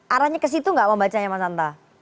arahnya ke situ gak mau membacanya mas hanta